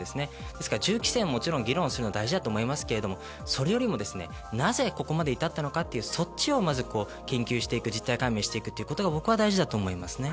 ですから銃規制も議論をするのは大事だと思いますがそれよりも、なぜここまでに至ったのかというそっちをまず研究していく事態解明していくことが僕は大事だと思います。